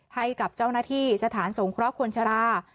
ให้กับเจ้าหน้าที่สถานทรงครอบคนชะลา